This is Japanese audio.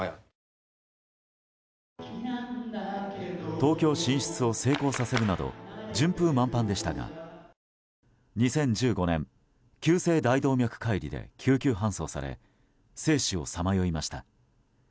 東京進出を成功させるなど順風満帆でしたが２０１５年急性大動脈解離で救急搬送され生死をさまよいました。